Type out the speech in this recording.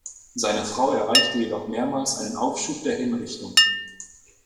Seine Frau erreichte jedoch mehrmals einen Aufschub der Hinrichtung.